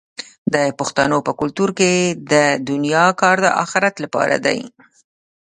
د پښتنو په کلتور کې د دنیا کار د اخرت لپاره دی.